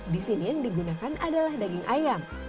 di sini yang digunakan adalah daging ayam